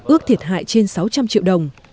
ước thiệt hại trên sáu trăm linh triệu đồng